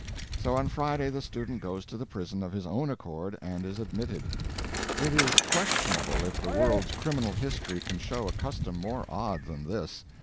So on Friday the student goes to the prison of his own accord, and is admitted. It is questionable if the world's criminal history can show a custom more odd than this.